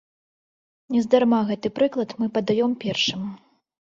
Нездарма гэты прыклад мы падаём першым.